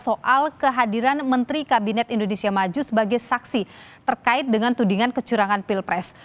soal kehadiran menteri kabinet indonesia maju sebagai saksi terkait dengan tudingan kecurangan pilpres